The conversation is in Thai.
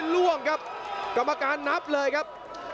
ล่วงครับกรรมการนับเลยครับ